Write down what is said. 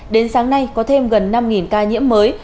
đến sáng nay có thêm gần năm ca nhiễm mới